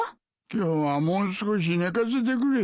今日はもう少し寝かせてくれ。